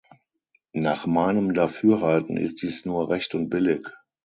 Nach meinem Dafürhalten ist dies nur recht und billig.